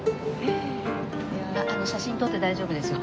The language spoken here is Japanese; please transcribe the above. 写真撮って大丈夫ですよ。